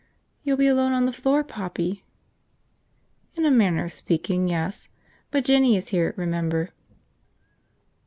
"You'll be alone on the floor, Poppy." "In a manner of speaking, yes. But Jinny is here, remember."